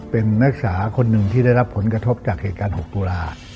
เป็นนักศึกษาคนหนึ่งที่ได้รับผลกระทบจากเหตุการณ์๖ตุลา